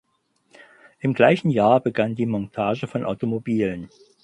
Im gleichen Jahr begann die Montage von Automobilen.